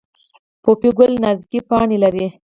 پوپی ګل نازکې پاڼې لري